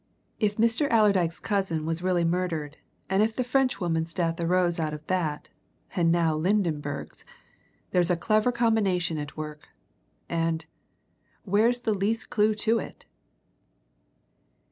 If Mr. Allerdyke's cousin was really murdered, and if the Frenchwoman's death arose out of that, and now Lydenberg's, there's a clever combination at work. And where's the least clue to it?"